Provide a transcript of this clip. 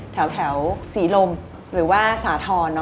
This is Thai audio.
แถวศรีลมหรือว่าสาธรณ์